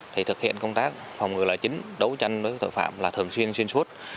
thực hiện công tác phòng ngừa là chính đấu tranh đối với tội phạm là thường xuyên xuyên suốt